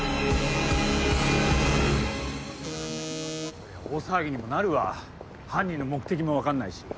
そりゃ大騒ぎにもなるわ犯人の目的も分かんないし。